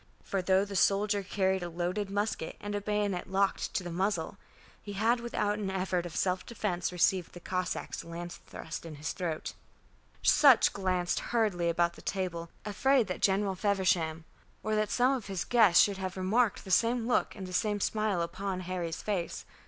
For though the soldier carried a loaded musket and a bayonet locked to the muzzle, he had without an effort of self defence received the Cossack's lance thrust in his throat. Sutch glanced hurriedly about the table, afraid that General Feversham, or that some one of his guests, should have remarked the same look and the same smile upon Harry's face.